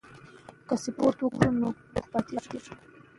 که پاسپورټ ولرو نو پوله نه بندیږي.